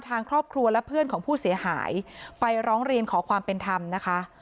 ทางครอบครัวและเพื่อนของผู้เสียหายไปร้องเรียนขอความเป็นธรรมนะคะ